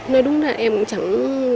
nói đúng là em cũng chẳng